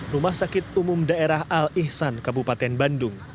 rumah sakit umum daerah al ihsan kabupaten bandung